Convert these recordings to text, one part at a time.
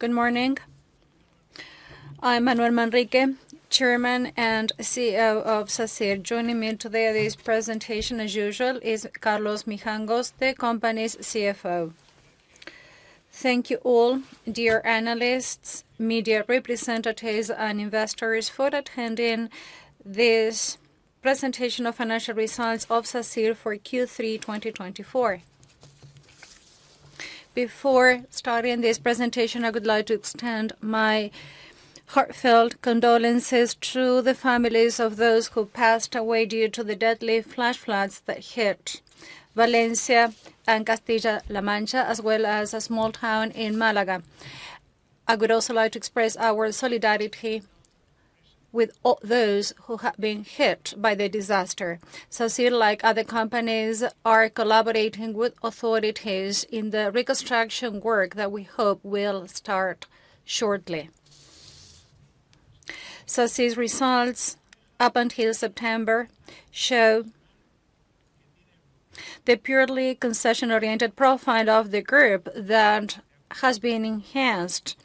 Good morning. I'm Manuel Manrique, Chairman and CEO of Sacyr. Joining me today at this presentation, as usual, is Carlos Mijangos, the company's CFO. Thank you all, dear analysts, media representatives, and investors, for attending this presentation of Financial Results of Sacyr for Q3 2024. Before starting this presentation, I would like to extend my heartfelt condolences to the families of those who passed away due to the deadly flash floods that hit Valencia and Castilla-La Mancha, as well as a small town in Málaga. I would also like to express our solidarity with those who have been hit by the disaster. Sacyr, like other companies, is collaborating with authorities in the reconstruction work that we hope will start shortly. Sacyr's results up until September show the purely concession-oriented profile of the group that has been enhanced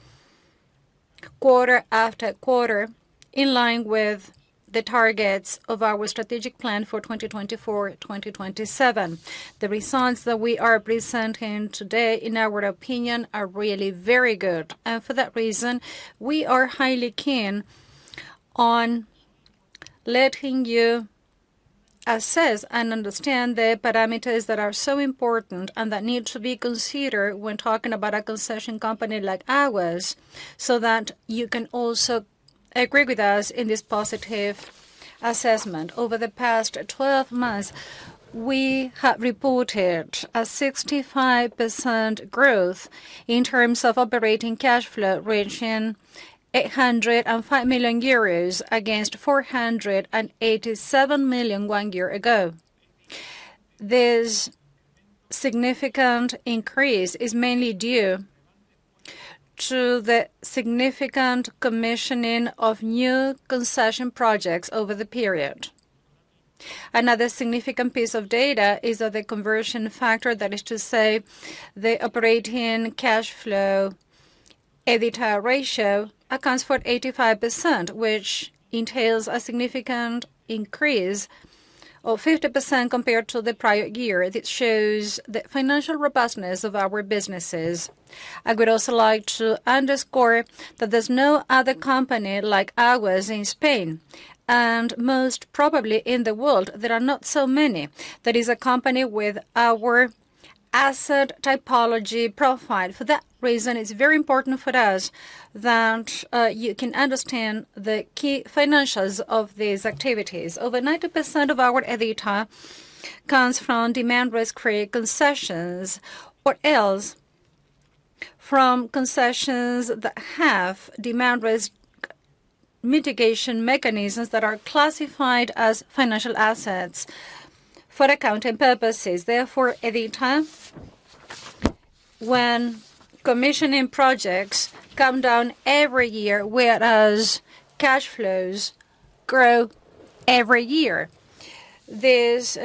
quarter after quarter, in line with the targets of our strategic plan for 2024-2027. The results that we are presenting today, in our opinion, are really very good, and for that reason, we are highly keen on letting you assess and understand the parameters that are so important and that need to be considered when talking about a concession company like ours, so that you can also agree with us in this positive assessment. Over the past 12 months, we have reported a 65% growth in terms of operating cash flow, reaching 805 million euros against 487 million one year ago. This significant increase is mainly due to the significant commissioning of new concession projects over the period. Another significant piece of data is that the conversion factor, that is to say, the operating cash flow EBITDA ratio, accounts for 85%, which entails a significant increase of 50% compared to the prior year. This shows the financial robustness of our businesses. I would also like to underscore that there's no other company like ours in Spain, and most probably in the world, there are not so many that is a company with our asset typology profile. For that reason, it's very important for us that you can understand the key financials of these activities. Over 90% of our EBITDA comes from demand risk-free concessions, or else from concessions that have demand risk mitigation mechanisms that are classified as financial assets for accounting purposes. Therefore, EBITDA, when commissioning projects come down every year, whereas cash flows grow every year, this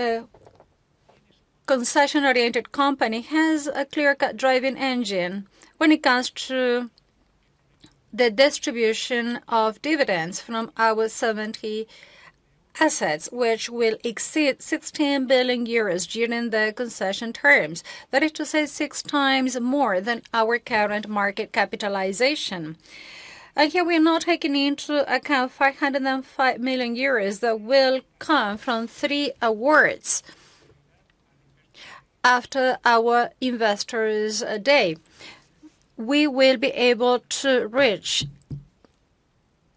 concession-oriented company has a clear-cut driving engine when it comes to the distribution of dividends from our 70 assets, which will exceed 16 billion euros during the concession terms. That is to say, six times more than our current market capitalization. And here we are not taking into account 505 million euros that will come from three awards after our investors' day. We will be able to reach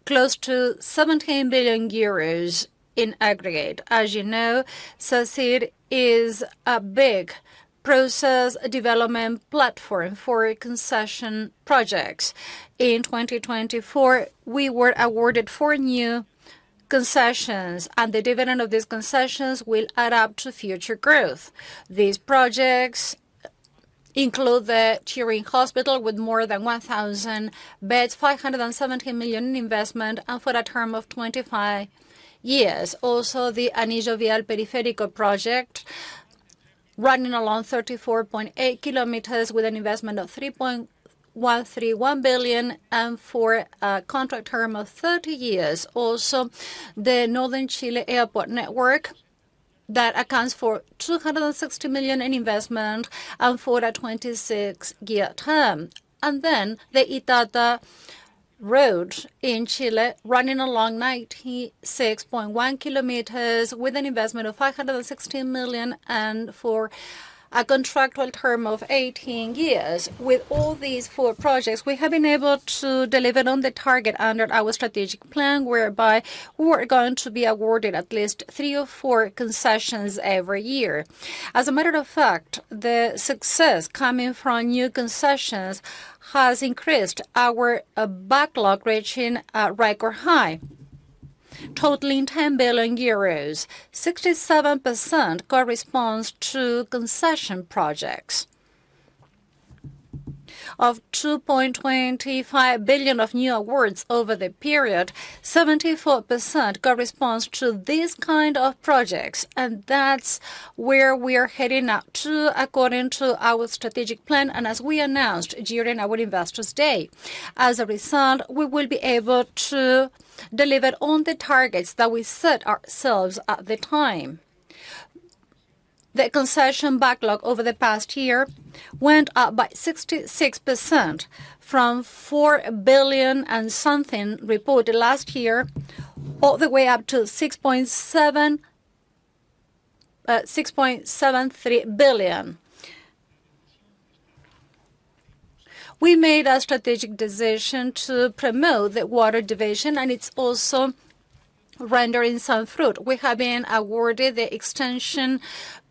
close to 17 billion euros in aggregate. As you know, Sacyr is a big process development platform for concession projects. In 2024, we were awarded four new concessions, and the dividend of these concessions will add up to future growth. These projects include the Turin Health Park with more than 1,000 beds, 517 million in investment, and for a term of 25 years. Also, the Anillo Vial Periférico project, running along 34.8km with an investment of 3.131 billion and for a contract term of 30 years. Also, the Northern Chile Airport Network that accounts for 260 million in investment and for a 26-year term. And then the Itata Road in Chile, running along 96.1km with an investment of 516 million and for a contractual term of 18 years. With all these four projects, we have been able to deliver on the target under our strategic plan, whereby we are going to be awarded at least three or four concessions every year. As a matter of fact, the success coming from new concessions has increased our backlog, reaching a record high, totaling 10 billion euros, 67% corresponds to concession projects of 2.25 billion of new awards over the period, 74% corresponds to these kinds of projects. That's where we are heading up to, according to our strategic plan and as we announced during our investors' day. As a result, we will be able to deliver on the targets that we set ourselves at the time. The concession backlog over the past year went up by 66% from 4 billion and something reported last year, all the way up to 6.73 billion. We made a strategic decision to promote the water division, and it's also rendering some fruit. We have been awarded the extension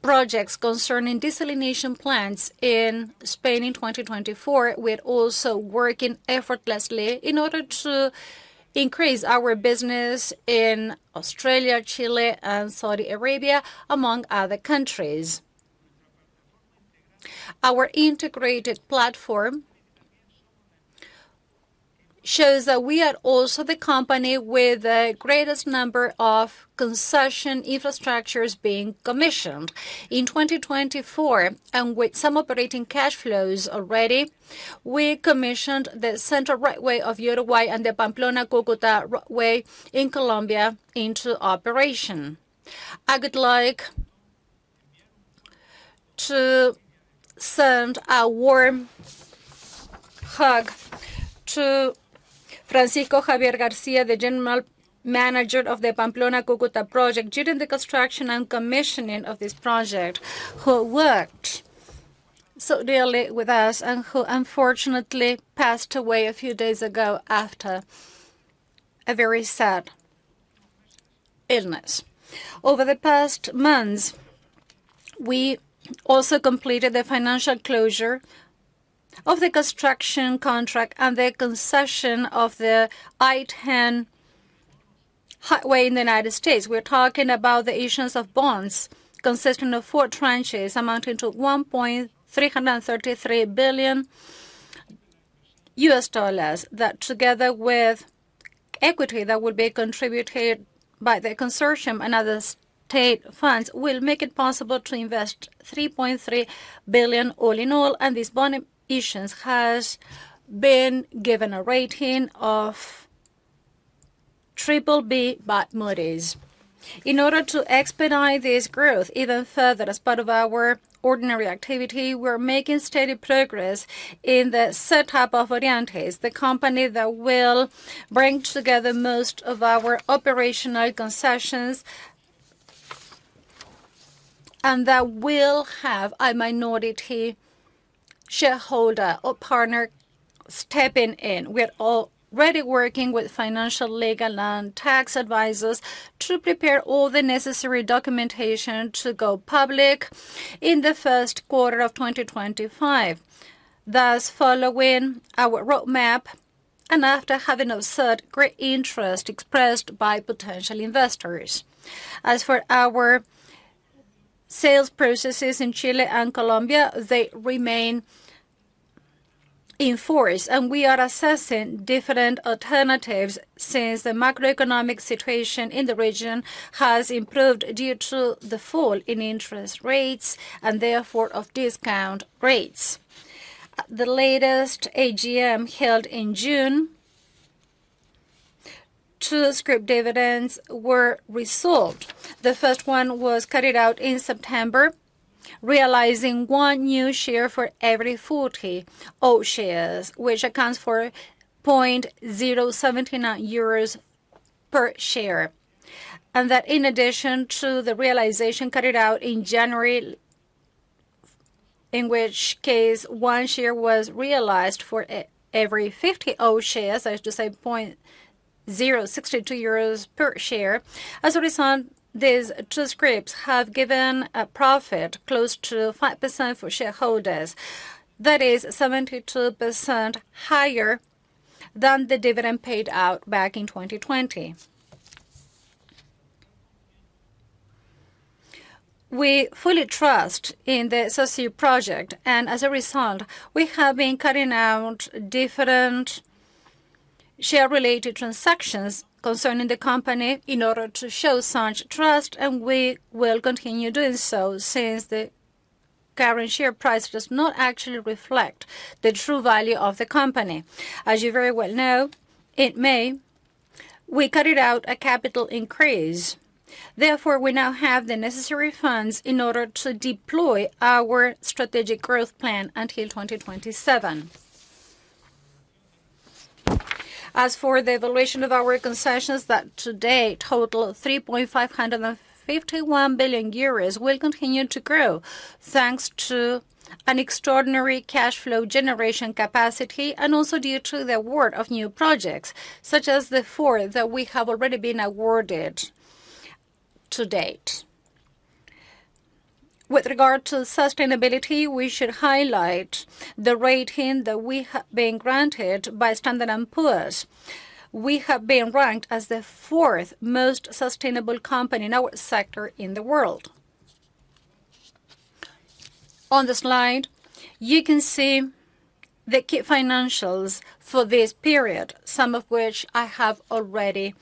projects concerning desalination plants in Spain in 2024. We are also working effortlessly in order to increase our business in Australia, Chile, and Saudi Arabia, among other countries. Our integrated platform shows that we are also the company with the greatest number of concession infrastructures being commissioned. In 2024, and with some operating cash flows already, we commissioned the Central Railway of Uruguay and the Pamplona-Cúcuta highway in Colombia into operation. I would like to send a warm hug to Francisco Javier García, the General Manager of the Pamplona-Cúcuta project during the construction and commissioning of this project, who worked so dearly with us and who unfortunately passed away a few days ago after a very sad illness. Over the past months, we also completed the financial closure of the construction contract and the concession of the I-10 highway in the United States. We're talking about the issuance of bonds consisting of four tranches amounting to $1.333 billion that, together with equity that will be contributed by the consortium and other state funds, will make it possible to invest $3.3 billion all in all. This bond issuance has been given a rating of triple B by Moody's. In order to expedite this growth even further, as part of our ordinary activity, we are making steady progress in the setup of Voreantis, the company that will bring together most of our operational concessions and that will have a minority shareholder or partner stepping in. We are already working with financial, legal, and tax advisors to prepare all the necessary documentation to go public in the Q1 of 2025, thus following our roadmap and after having observed great interest expressed by potential investors. As for our sales processes in Chile and Colombia, they remain in force, and we are assessing different alternatives since the macroeconomic situation in the region has improved due to the fall in interest rates and therefore of discount rates. The latest AGM held in June to scrip dividends were resolved. The first one was carried out in September, realizing one new share for every 40 old shares, which accounts for 0.79 euros per share, and that, in addition to the realization carried out in January, in which case one share was realized for every 50 old shares, that is to say 0.62 euros per share. As a result, these two scrip have given a profit close to 5% for shareholders. That is 72% higher than the dividend paid out back in 2020. We fully trust in the Sacyr project, and as a result, we have been carrying out different share-related transactions concerning the company in order to show such trust, and we will continue doing so since the current share price does not actually reflect the true value of the company. As you very well know, in May, we carried out a capital increase. Therefore, we now have the necessary funds in order to deploy our strategic growth plan until 2027. As for the valuation of our concessions that today total 3.551 billion euros, we'll continue to grow thanks to an extraordinary cash flow generation capacity and also due to the award of new projects, such as the four that we have already been awarded to date. With regard to sustainability, we should highlight the rating that we have been granted by Standard & Poor's. We have been ranked as the fourth most sustainable company in our sector in the world. On the slide, you can see the key financials for this period, some of which I have already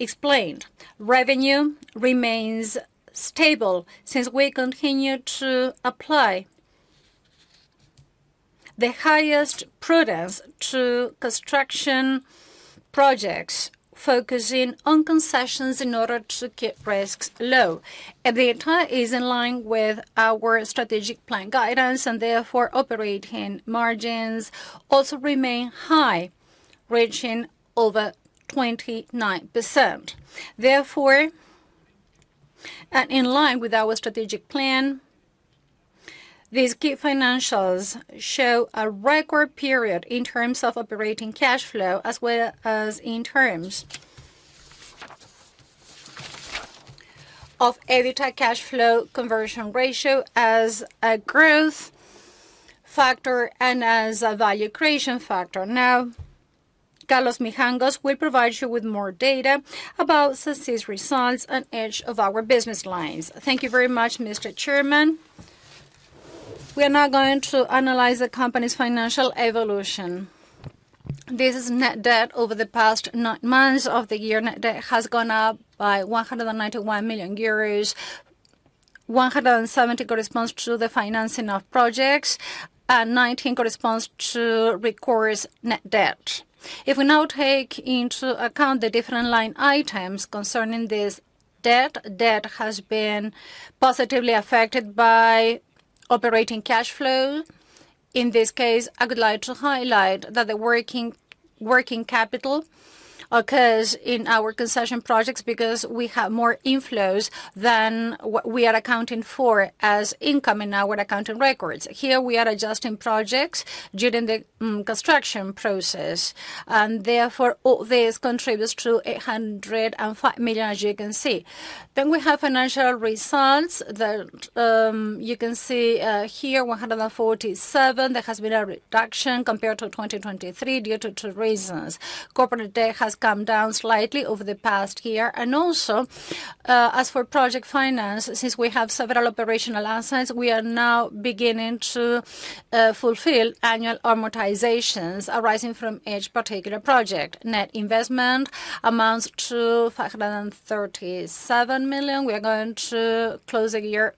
explained. Revenue remains stable since we continue to apply the highest prudence to construction projects focusing on concessions in order to keep risks low. The return is in line with our strategic plan guidance, and therefore operating margins also remain high, reaching over 29%. Therefore, and in line with our strategic plan, these key financials show a record period in terms of operating cash flow, as well as in terms of EBITDA cash flow conversion ratio as a growth factor and as a value creation factor. Now, Carlos Mijangos will provide you with more data about success results and each of our business lines. Thank you very much, Mr. Chairman. We are now going to analyze the company's financial evolution. This is net debt over the past nine months of the year. Net debt has gone up by 191 million euros, 170 million corresponds to the financing of projects, and 19 million corresponds to recourse net debt. If we now take into account the different line items concerning this debt, debt has been positively affected by operating cash flow. In this case, I would like to highlight that the working capital occurs in our concession projects because we have more inflows than what we are accounting for as income in our accounting records. Here, we are adjusting projects during the construction process, and therefore all this contributes to 805 million, as you can see. Then we have financial results that you can see here, 147 million. There has been a reduction compared to 2023 due to two reasons. Corporate debt has come down slightly over the past year, and also, as for project finance, since we have several operational assets, we are now beginning to fulfill annual amortizations arising from each particular project. Net investment amounts to 537 million. We are going to close the year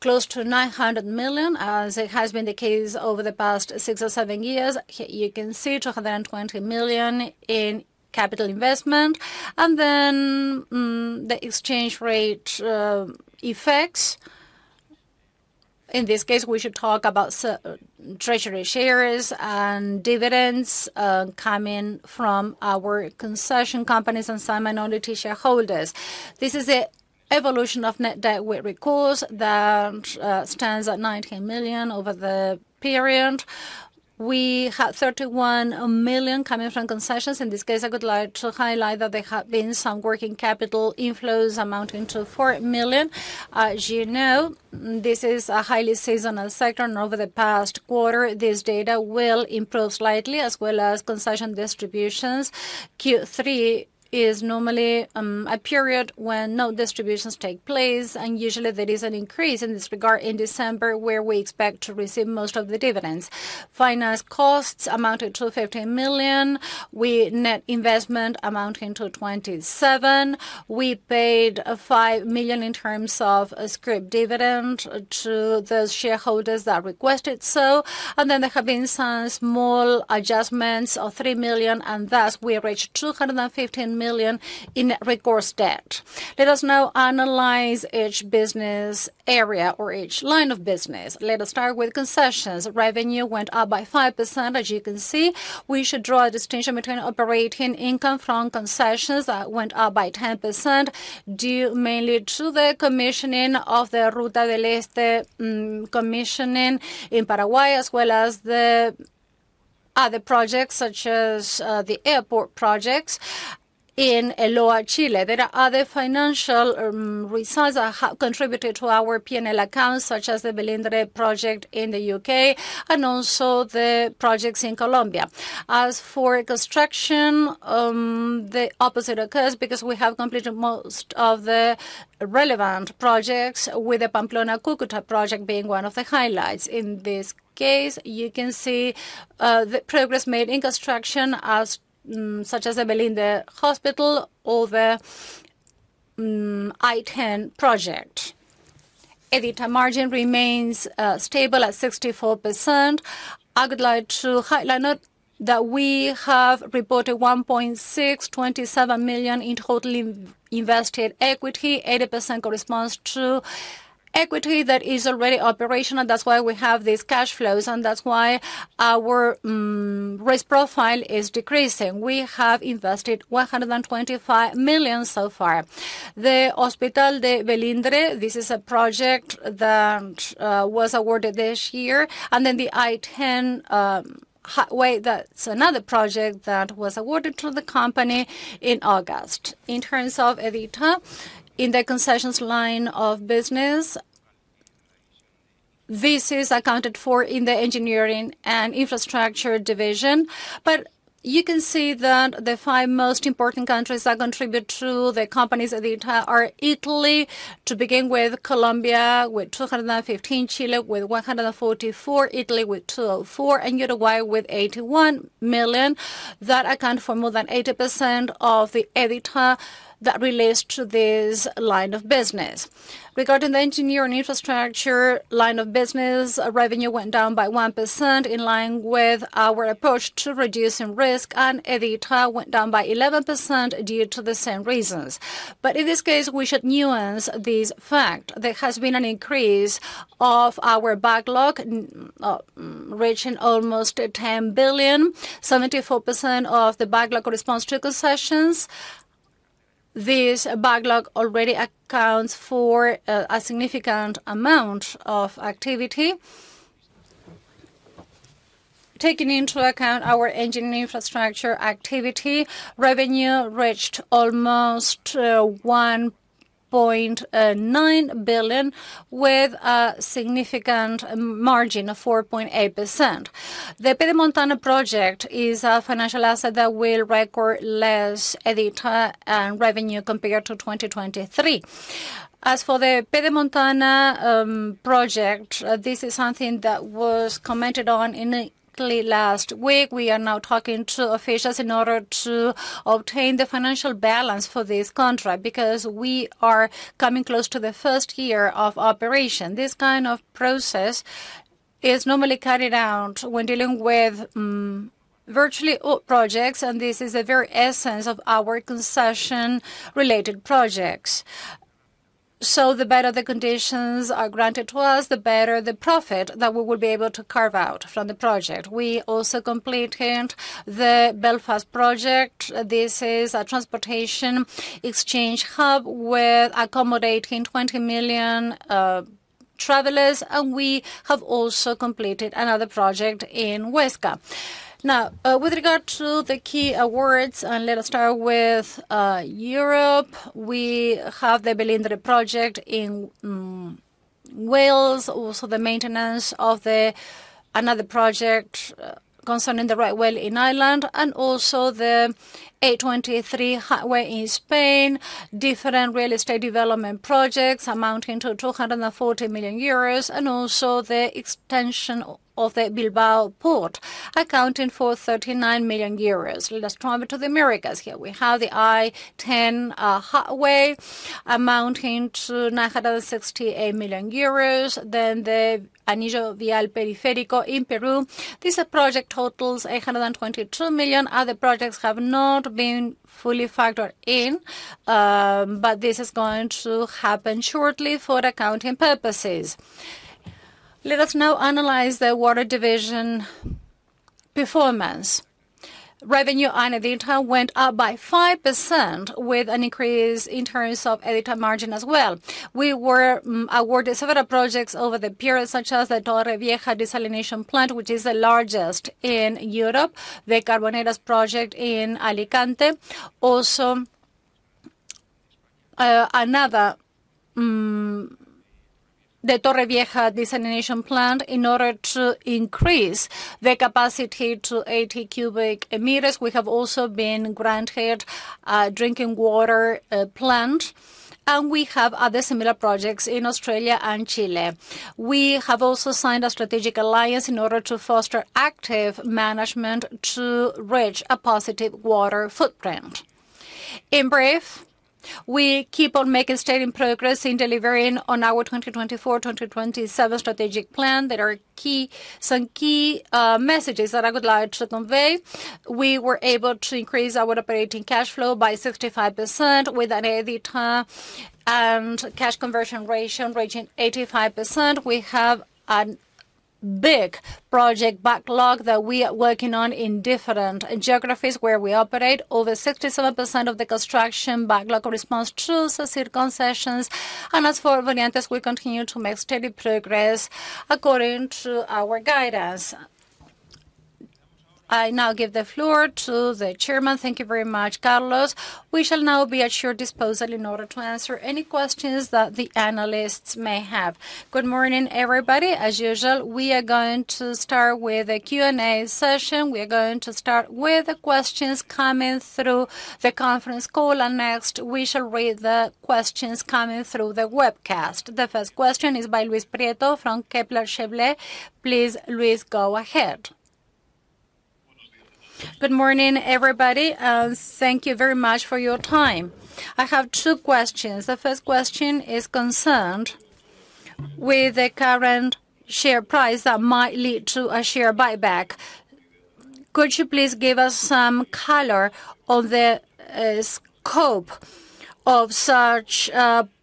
close to 900 million, as it has been the case over the past six or seven years. You can see 220 million in capital investment. And then the exchange rate effects. In this case, we should talk about treasury shares and dividends coming from our concession companies and some minority shareholders. This is the evolution of net debt with recourse that stands at 19 million over the period. We had 31 million coming from concessions. In this case, I would like to highlight that there have been some working capital inflows amounting to 4 million. As you know, this is a highly seasonal sector, and over the past quarter, this data will improve slightly, as well as concession distributions. Q3 is normally a period when no distributions take place, and usually there is an increase in this regard in December, where we expect to receive most of the dividends. Finance costs amounted to 15 million. We net investment amounting to 27 million. We paid 5 million in terms of scrip dividend to the shareholders that requested so, and then there have been some small adjustments of 3 million, and thus we reached 215 million in recourse debt. Let us now analyze each business area or each line of business. Let us start with concessions. Revenue went up by 5%, as you can see. We should draw a distinction between operating income from concessions that went up by 10% due mainly to the commissioning of the Ruta del Este commissioning in Paraguay, as well as the other projects such as the airport projects in El Loa, Chile. There are other financial results that have contributed to our P&L accounts, such as the Velindre project in the UK and also the projects in Colombia. As for construction, the opposite occurs because we have completed most of the relevant projects, with the Pamplona-Cúcuta project being one of the highlights. In this case, you can see the progress made in construction, such as the Velindre hospital or the I-10 project. EBITDA margin remains stable at 64%. I would like to highlight that we have reported 1.627 million in totally invested equity, 80% corresponds to equity that is already operational. That's why we have these cash flows, and that's why our risk profile is decreasing. We have invested 125 million so far. The Hospital de Velindre, this is a project that was awarded this year, and then the I-10 highway, that's another project that was awarded to the company in August. In terms of EBITDA, in the concessions line of business, this is accounted for in the engineering and infrastructure division. But you can see that the five most important countries that contribute to the company's EBITDA are Italy to begin with, Colombia with 215, Chile with 144 million, Italy with 204 million, and Uruguay with 81 million. That accounts for more than 80% of the EBITDA that relates to this line of business. Regarding the engineering infrastructure line of business, revenue went down by 1% in line with our approach to reducing risk, and EBITDA went down by 11% due to the same reasons. But in this case, we should nuance this fact. There has been an increase of our backlog, reaching almost 10 billion, 74% of the backlog corresponds to concessions. This backlog already accounts for a significant amount of activity. Taking into account our engineering infrastructure activity, revenue reached almost 1.9 billion, with a significant margin of 4.8%. The Pedemontana project is a financial asset that will record less EBITDA and revenue compared to 2023. As for the Pedemontana project, this is something that was commented on in Italy last week. We are now talking to officials in order to obtain the financial balance for this contract because we are coming close to the first year of operation. This kind of process is normally carried out when dealing with virtually all projects, and this is the very essence of our concession-related projects, so the better the conditions are granted to us, the better the profit that we will be able to carve out from the project. We also completed the Belfast project. This is a transportation exchange hub accommodating 20 million travelers, and we have also completed another project in Huesca. Now, with regard to the key awards, let us start with Europe. We have the Velindre project in Wales, also the maintenance of another project concerning the railway in Ireland, and also the A23 highway in Spain, different real estate development projects amounting to 240 million euros, and also the extension of the Bilbao port accounting for 39 million euros. Let us turn over to the Americas here. We have the I-10 highway amounting to 968 million euros, then the Anillo Vial Periférico in Peru. This project totals 822 million. Other projects have not been fully factored in, but this is going to happen shortly for accounting purposes. Let us now analyze the water division performance. Revenue and EBITDA went up by 5%, with an increase in terms of EBITDA margin as well. We were awarded several projects over the period, such as the Torrevieja desalination plant, which is the largest in Europe, the Carboneras project in Alicante. Also, another Torrevieja desalination plant. In order to increase the capacity to 80m³, we have also been granted a drinking water plant, and we have other similar projects in Australia and Chile. We have also signed a strategic alliance in order to foster active management to reach a positive water footprint. In brief, we keep on making steady progress in delivering on our 2024-2027 strategic plan. There are some key messages that I would like to convey. We were able to increase our operating cash flow by 65% with an EBITDA and cash conversion ratio reaching 85%. We have a big project backlog that we are working on in different geographies where we operate. Over 67% of the construction backlog corresponds to sector concessions, and as for Voreantis, we continue to make steady progress according to our guidance. I now give the floor to the Chairman. Thank you very much, Carlos. We shall now be at your disposal in order to answer any questions that the analysts may have. Good morning, everybody. As usual, we are going to start with the Q&A session. We are going to start with the questions coming through the conference call, and next we shall read the questions coming through the webcast. The first question is by Luis Prieto from Kepler Cheuvreux. Please, Luis, go ahead. Good morning, everybody, and thank you very much for your time. I have two questions. The first question is concerned with the current share price that might lead to a share buyback. Could you please give us some color on the scope of such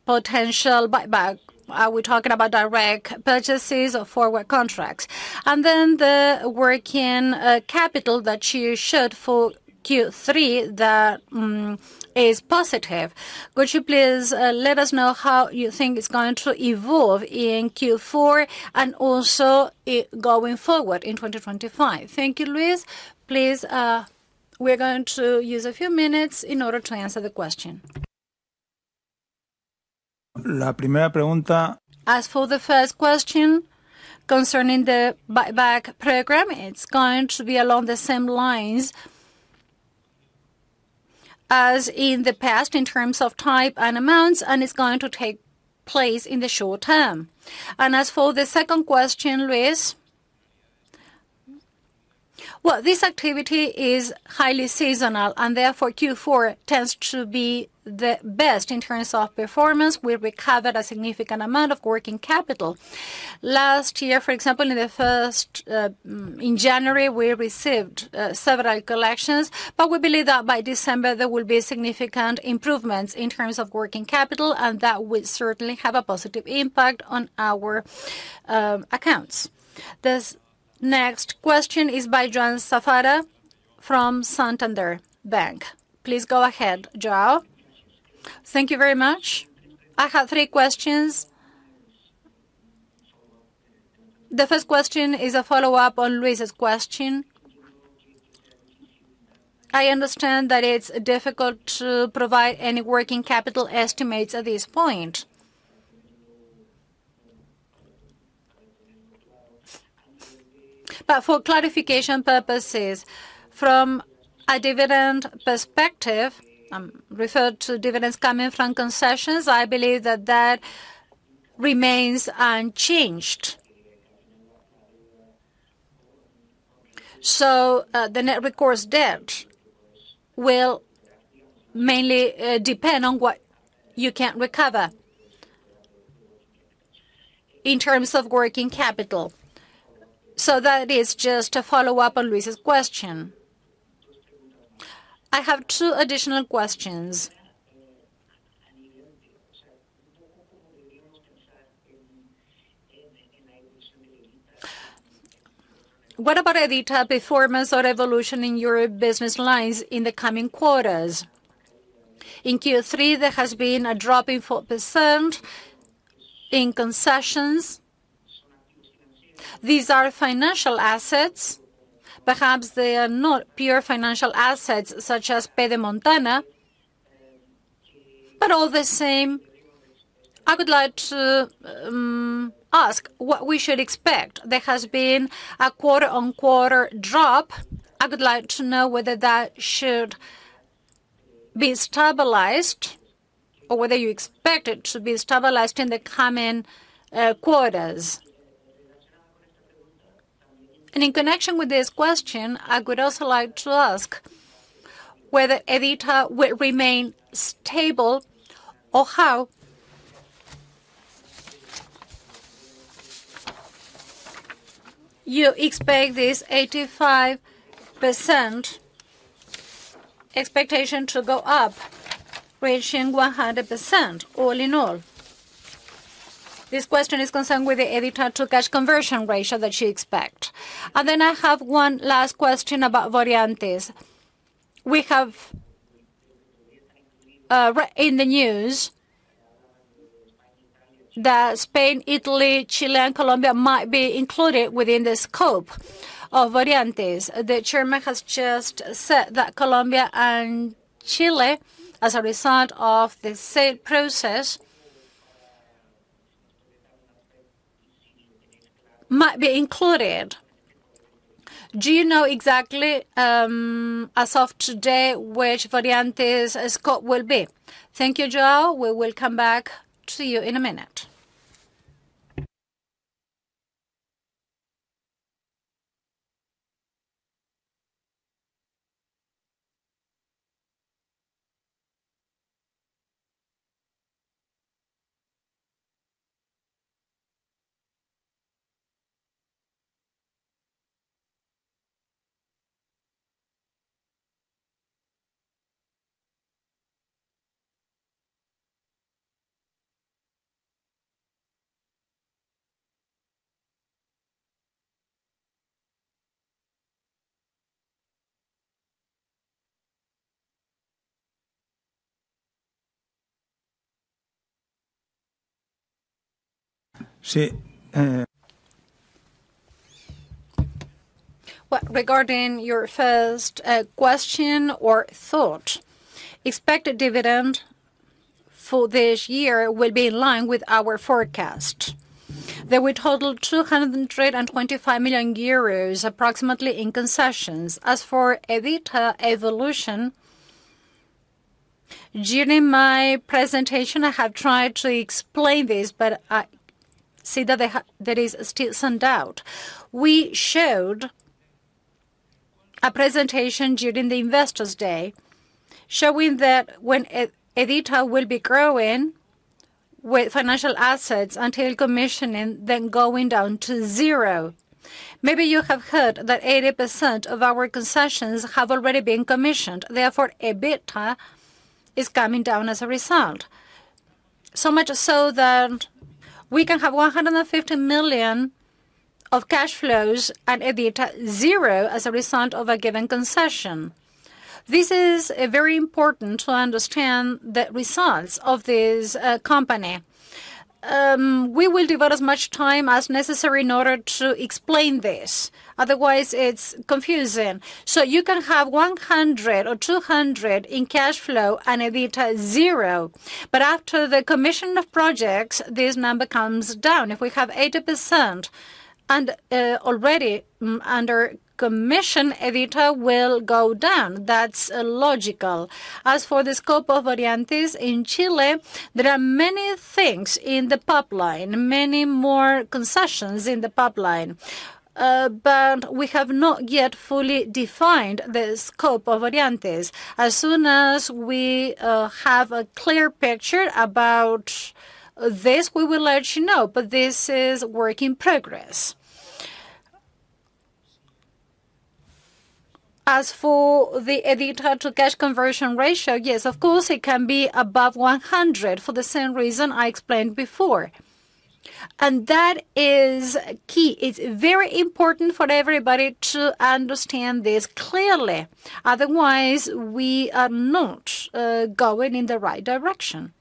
potential buyback? Are we talking about direct purchases or forward contracts? And then the working capital that you showed for Q3 that is positive. Could you please let us know how you think it's going to evolve in Q4 and also going forward in 2025? Thank you, Luis. Please, we're going to use a few minutes in order to answer the question. La primera pregunta. As for the first question concerning the buyback program, it's going to be along the same lines as in the past in terms of type and amounts, and it's going to take place in the short term. As for the second question, Luis, well, this activity is highly seasonal, and therefore Q4 tends to be the best in terms of performance. We recovered a significant amount of working capital. Last year, for example, in January, we received several collections, but we believe that by December there will be significant improvements in terms of working capital, and that would certainly have a positive impact on our accounts. This next question is by João Safara from Santander Bank. Please go ahead, João. Thank you very much. I have three questions. The first question is a follow-up on Luis's question. I understand that it's difficult to provide any working capital estimates at this point. For clarification purposes, from a dividend perspective, referred to dividends coming from concessions, I believe that that remains unchanged. The net recourse debt will mainly depend on what you can recover in terms of working capital. So that is just a follow-up on Luis's question. I have two additional questions. What about EBITDA performance or evolution in your business lines in the coming quarters? In Q3, there has been a drop in 4% in concessions. These are financial assets. Perhaps they are not pure financial assets such as Pedemontana, but all the same, I would like to ask what we should expect. There has been a quarter-on-quarter drop. I would like to know whether that should be stabilized or whether you expect it to be stabilized in the coming quarters. And in connection with this question, I would also like to ask whether EBITDA will remain stable or how you expect this 85% expectation to go up, reaching 100% all in all. This question is concerned with the EBITDA to cash conversion ratio that you expect. And then I have one last question about Voreantis. We have in the news that Spain, Italy, Chile, and Colombia might be included within the scope of Voreantis. The chairman has just said that Colombia and Chile, as a result of the said process, might be included. Do you know exactly, as of today, which Voreantis' scope will be? Thank you, João. We will come back to you in a minute. Sí. Well, regarding your first question or thought, expected dividend for this year will be in line with our forecast. There will total 225 million euros, approximately, in concessions. As for EBITDA evolution, during my presentation, I have tried to explain this, but I see that there is still some doubt. We showed a presentation during the Investors' Day showing that when EBITDA will be growing with financial assets until commissioning, then going down to zero. Maybe you have heard that 80% of our concessions have already been commissioned. Therefore, EBITDA is coming down as a result. So much so that we can have 150 million of cash flows and EBITDA zero as a result of a given concession. This is very important to understand the results of this company. We will devote as much time as necessary in order to explain this. Otherwise, it's confusing. So you can have 100 or 200 in cash flow and EBITDA zero, but after the commission of projects, this number comes down. If we have 80% and already under commission, EBITDA will go down. That's logical. As for the scope of Voreantis in Chile, there are many things in the pipeline, many more concessions in the pipeline, but we have not yet fully defined the scope of Voreantis. As soon as we have a clear picture about this, we will let you know, but this is work in progress. As for the EBITDA to cash conversion ratio, yes, of course, it can be above 100 for the same reason I explained before, and that is key. It's very important for everybody to understand this clearly. Otherwise, we are not going in the right direction.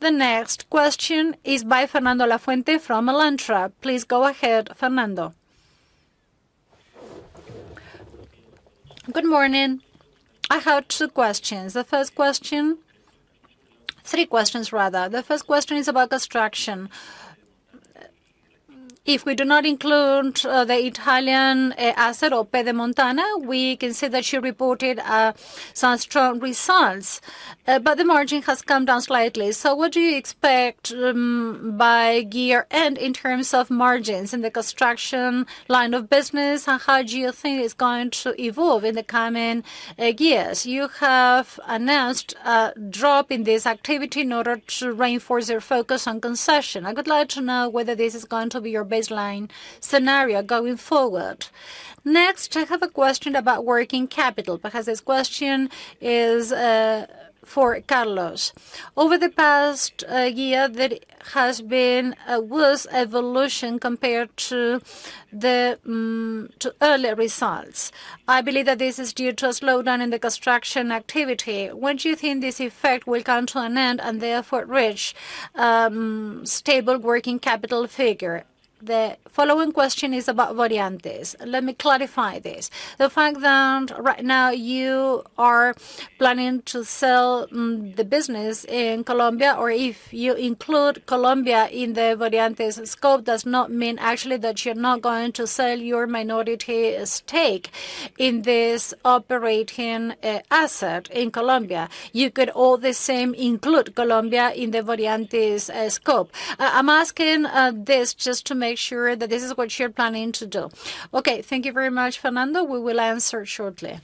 The next question is by Fernando Lafuente from Alantra. Please go ahead, Fernando. Good morning. I have two questions. The first question, three questions rather. The first question is about construction. If we do not include the Italian asset or Pedemontana, we can see that you reported some strong results, but the margin has come down slightly. So what do you expect by year-end in terms of margins in the construction line of business, and how do you think it's going to evolve in the coming years? You have announced a drop in this activity in order to reinforce your focus on concession. I would like to know whether this is going to be your baseline scenario going forward. Next, I have a question about working capital because this question is for Carlos. Over the past year, there has been a worse evolution compared to the earlier results. I believe that this is due to a slowdown in the construction activity. When do you think this effect will come to an end and therefore reach a stable working capital figure? The following question is about Voreantis. Let me clarify this. The fact that right now you are planning to sell the business in Colombia, or if you include Colombia in the Voreantis scope, does not mean actually that you're not going to sell your minority stake in this operating asset in Colombia. You could all the same include Colombia in the Voreantis scope. I'm asking this just to make sure that this is what you're planning to do. Okay, thank you very much, Fernando. We will answer shortly.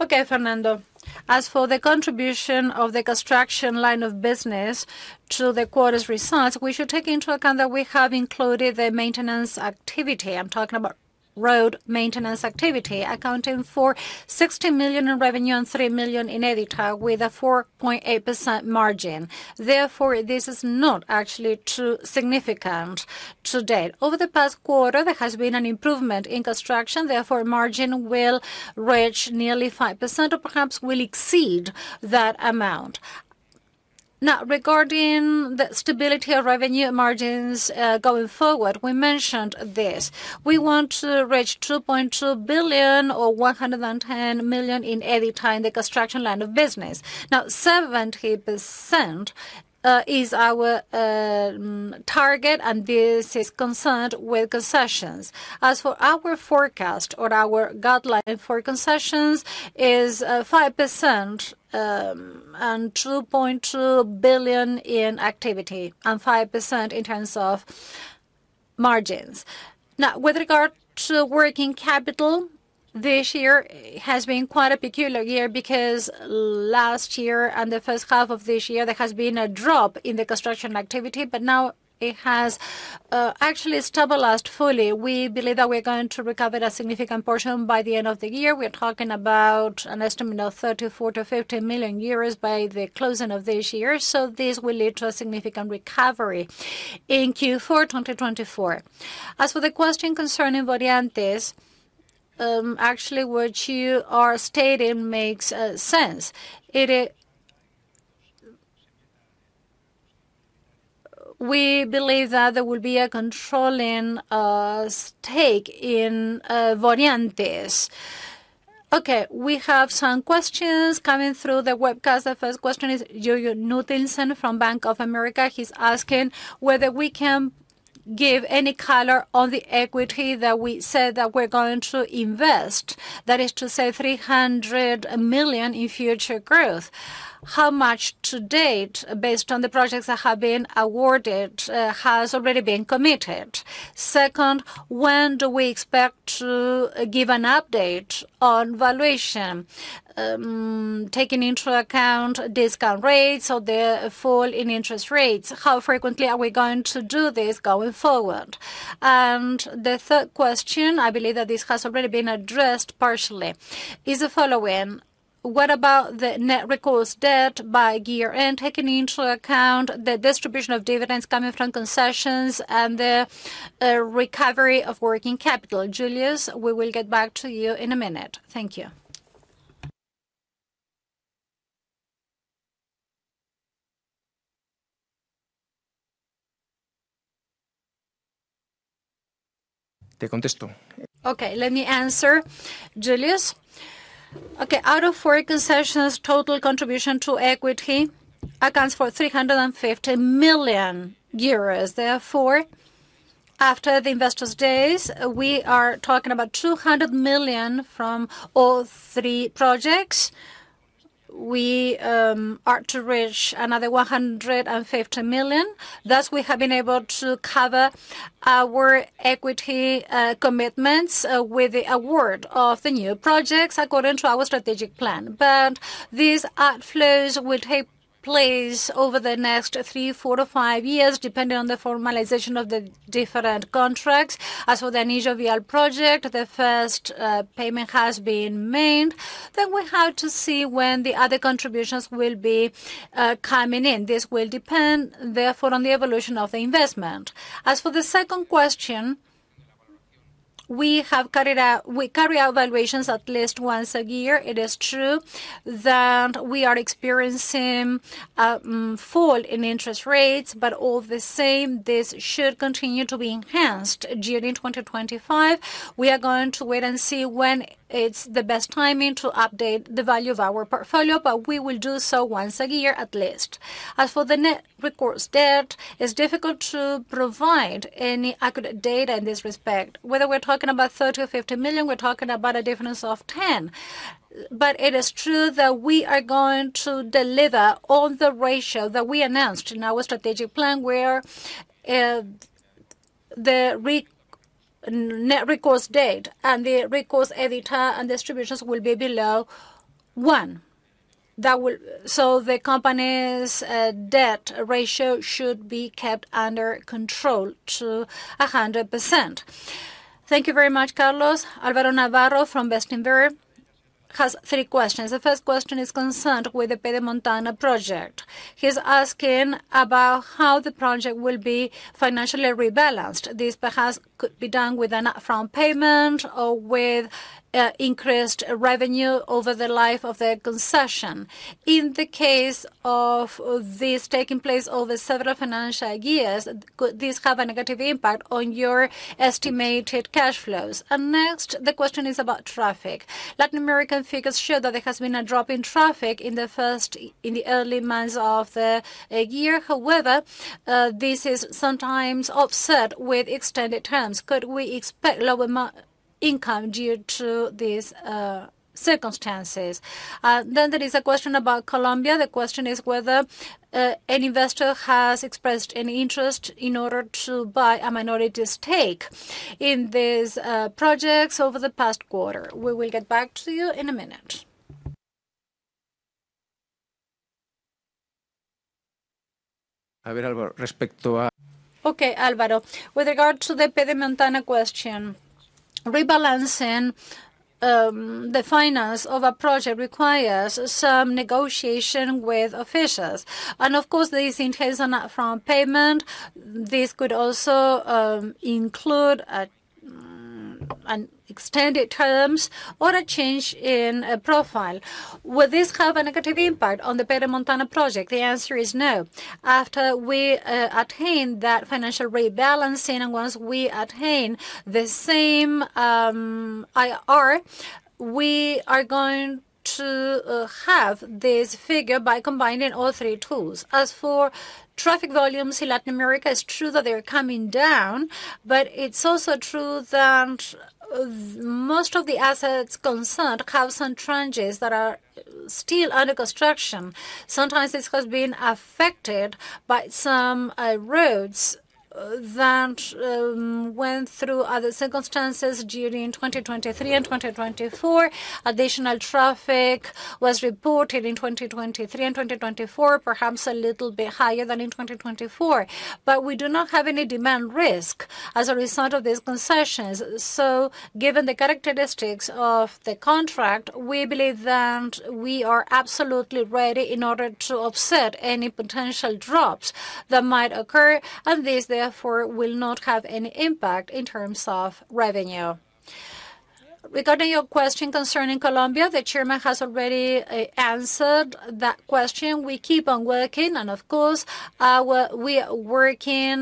Okay, Fernando. As for the contribution of the construction line of business to the quarter's results, we should take into account that we have included the maintenance activity. I'm talking about road maintenance activity, accounting for 60 million in revenue and 3 million in EBITDA, with a 4.8% margin. Therefore, this is not actually too significant to date. Over the past quarter, there has been an improvement in construction. Therefore, margin will reach nearly 5% or perhaps will exceed that amount. Now, regarding the stability of revenue margins going forward, we mentioned this. We want to reach 2.2 billion or 110 million in EBITDA in the construction line of business. Now, 70% is our target, and this is concerned with concessions. As for our forecast or our guideline for concessions, it is 5% and 2.2 billion in activity and 5% in terms of margins. Now, with regard to working capital, this year has been quite a peculiar year because last year and the first half of this year, there has been a drop in the construction activity, but now it has actually stabilized fully. We believe that we're going to recover a significant portion by the end of the year. We're talking about an estimate of 34 to 50 million by the closing of this year, so this will lead to a significant recovery in Q4 2024. As for the question concerning Voreantis, actually, what you are stating makes sense. We believe that there will be a controlling stake in Voreantis. Okay, we have some questions coming through the webcast. The first question is Julius Nickelsen from Bank of America. He's asking whether we can give any color on the equity that we said that we're going to invest, that is to say 300 million in future growth. How much to date, based on the projects that have been awarded, has already been committed? Second, when do we expect to give an update on valuation, taking into account discount rates or the fall in interest rates? How frequently are we going to do this going forward? And the third question, I believe that this has already been addressed partially, is the following: What about the net recourse debt by year-end, taking into account the distribution of dividends coming from concessions and the recovery of working capital? Julius, we will get back to you in a minute. Thank you. Te contesto. Okay, let me answer. Julius. Okay, out of foreign concessions, total contribution to equity accounts for 350 million euros. Therefore, after the Investors' Days, we are talking about 200 million from all three projects. We are to reach another 150 million. Thus, we have been able to cover our equity commitments with the award of the new projects, according to our strategic plan. But these outflows will take place over the next three, four, or five years, depending on the formalization of the different contracts. As for the Anillo Vial project, the first payment has been made. Then we have to see when the other contributions will be coming in. This will depend, therefore, on the evolution of the investment. As for the second question, we carry out valuations at least once a year. It is true that we are experiencing a fall in interest rates, but all the same, this should continue to be enhanced during 2025. We are going to wait and see when it's the best timing to update the value of our portfolio, but we will do so once a year at least. As for the net recourse debt, it's difficult to provide any accurate data in this respect. Whether we're talking about 30 or 50 million, we're talking about a difference of 10 million. But it is true that we are going to deliver all the ratios that we announced in our strategic plan, where the net recourse debt and the recourse EBITDA and distributions will be below one. So the company's debt ratio should be kept under control to 100%. Thank you very much, Carlos. Alberto Navarro from Bestinver has three questions. The first question is concerned with the Pedemontana project. He's asking about how the project will be financially rebalanced. This perhaps could be done with a front payment or with increased revenue over the life of the concession. In the case of this taking place over several financial years, could this have a negative impact on your estimated cash flows? And next, the question is about traffic. Latin American figures show that there has been a drop in traffic in the early months of the year. However, this is sometimes offset with extended terms. Could we expect lower income due to these circumstances? Then there is a question about Colombia. The question is whether an investor has expressed any interest in order to buy a minority stake in these projects over the past quarter. We will get back to you in a minute. A ver, Álvaro, respecto. Okay, Álvaro. With regard to the Pedemontana question, rebalancing the finance of a project requires some negotiation with officials. And of course, this includes a front payment. This could also include extended terms or a change in profile. Will this have a negative impact on the Pedemontana project? The answer is no. After we attain that financial rebalancing and once we attain the same IR, we are going to have this figure by combining all three tools. As for traffic volumes in Latin America, it's true that they're coming down, but it's also true that most of the assets concerned have some tranches that are still under construction. Sometimes this has been affected by some roads that went through other circumstances during 2023 and 2024. Additional traffic was reported in 2023 and 2024, perhaps a little bit higher than in 2024. But we do not have any demand risk as a result of these concessions. So given the characteristics of the contract, we believe that we are absolutely ready in order to offset any potential drops that might occur, and this therefore will not have any impact in terms of revenue. Regarding your question concerning Colombia, the chairman has already answered that question. We keep on working, and of course, we are working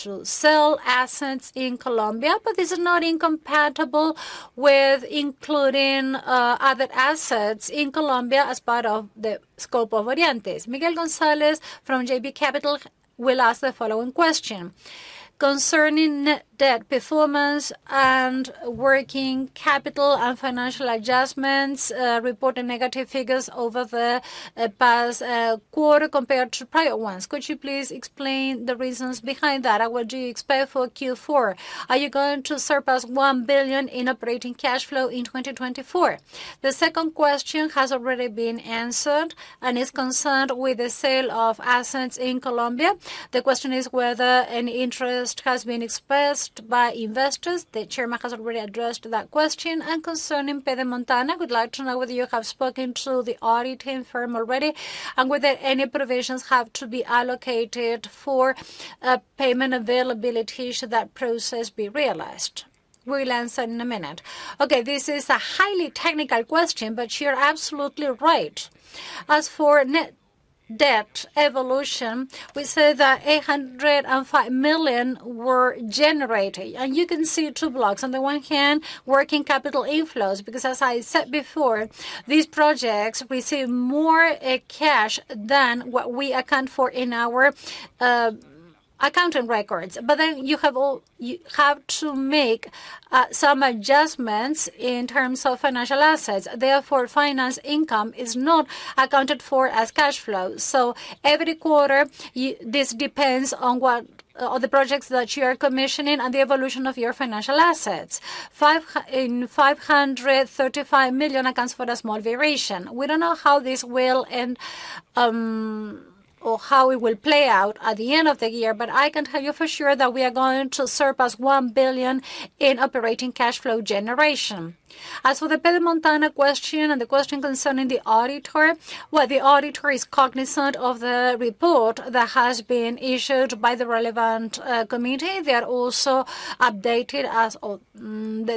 to sell assets in Colombia, but this is not incompatible with including other assets in Colombia as part of the scope of Voreantis. Miguel González from JB Capital Markets will ask the following question concerning net debt performance and working capital and financial adjustments reporting negative figures over the past quarter compared to prior ones. Could you please explain the reasons behind that? What do you expect for Q4? Are you going to surpass 1 billion in operating cash flow in 2024? The second question has already been answered and is concerned with the sale of assets in Colombia. The question is whether any interest has been expressed by investors. The chairman has already addressed that question. Concerning Pedemontana, we'd like to know whether you have spoken to the auditing firm already, and whether any provisions have to be allocated for payment availability should that process be realized. We'll answer in a minute. Okay, this is a highly technical question, but you're absolutely right. As for net debt evolution, we say that 805 million were generated, and you can see two blocks. On the one hand, working capital inflows, because as I said before, these projects receive more cash than what we account for in our accounting records. Then you have to make some adjustments in terms of financial assets. Therefore, finance income is not accounted for as cash flow. So every quarter, this depends on what the projects that you are commissioning and the evolution of your financial assets. 535 million accounts for a small variation. We don't know how this will end or how it will play out at the end of the year, but I can tell you for sure that we are going to surpass 1 billion in operating cash flow generation. As for the Pedemontana question and the question concerning the auditor, well, the auditor is cognizant of the report that has been issued by the relevant committee. They are also updated as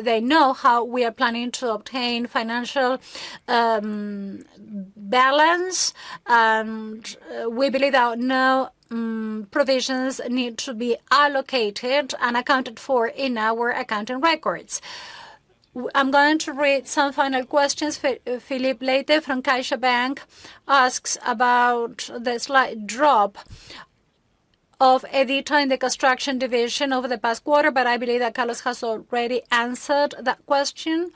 they know how we are planning to obtain financial balance, and we believe that no provisions need to be allocated and accounted for in our accounting records. I'm going to read some final questions. Filipe Leite from CaixaBank asks about the slight drop of EBITDA in the construction division over the past quarter, but I believe that Carlos has already answered that question.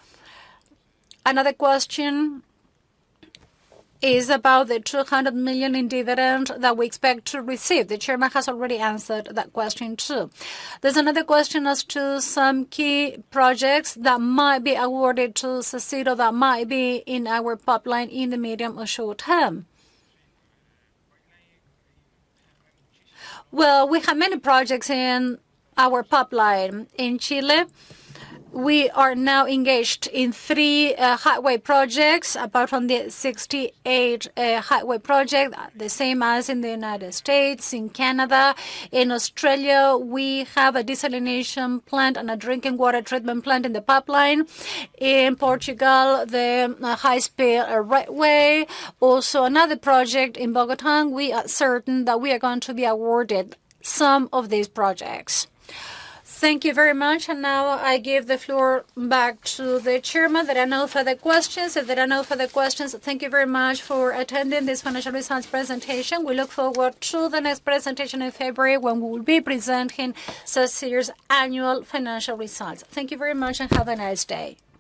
Another question is about the 200 million in dividend that we expect to receive. The chairman has already answered that question too. There's another question as to some key projects that might be awarded to Sacyr that might be in our pipeline in the medium or short term. We have many projects in our pipeline in Chile. We are now engaged in three highway projects apart from the 68 highway project, the same as in the United States, in Canada. In Australia, we have a desalination plant and a drinking water treatment plant in the pipeline. In Portugal, the high-speed railway. Also, another project in Bogotá. We are certain that we are going to be awarded some of these projects. Thank you very much. Now I give the floor back to the chairman. There are no further questions. If there are no further questions, thank you very much for attending this financial results presentation. We look forward to the next presentation in February when we will be presenting Sacyr's annual financial results. Thank you very much and have a nice day.